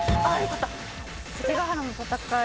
関ヶ原の戦い